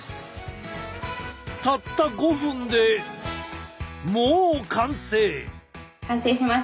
たった５分でもう完成！